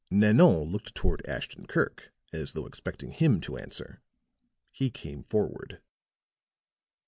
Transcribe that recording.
Nanon looked toward Ashton Kirk as though expecting him to answer; he came forward.